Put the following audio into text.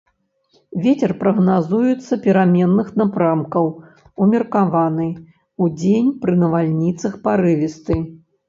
Вецер прагназуецца пераменных напрамкаў умеркаваны, удзень пры навальніцах парывісты.